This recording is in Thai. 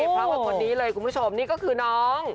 พร้อมกับคนนี้เลยคุณผู้ชมนี่ก็คือน้อง